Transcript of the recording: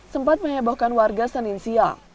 sempat mehebohkan warga seninsia